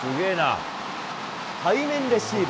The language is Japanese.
背面レシーブ。